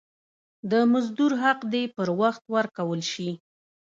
د مزدور حق دي پر وخت ورکول سي.